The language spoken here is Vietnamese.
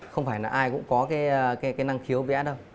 không phải là ai cũng có cái năng khiếu vẽ đâu